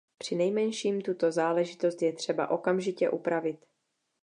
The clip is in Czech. Přinejmenším tuto záležitost je třeba okamžitě upravit.